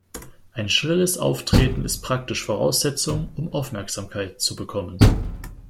Ein schrilles Auftreten ist praktisch Voraussetzung, um Aufmerksamkeit zu bekommen.